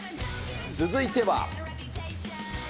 続いては。